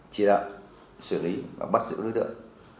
chỉ đạo xử lý và bắt giữ đối tượng